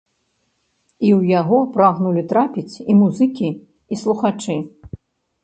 І ў яго прагнулі трапіць і музыкі, і слухачы.